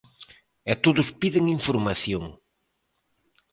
E todos piden información.